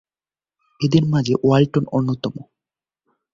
এদের মাঝে ওয়ালটন অন্যতম।